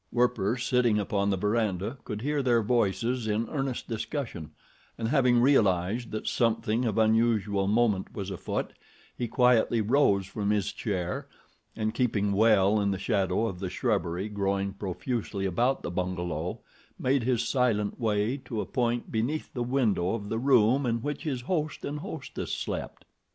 Werper, sitting upon the veranda, could hear their voices in earnest discussion, and having realized that something of unusual moment was afoot, he quietly rose from his chair, and keeping well in the shadow of the shrubbery growing profusely about the bungalow, made his silent way to a point beneath the window of the room in which his host and hostess slept.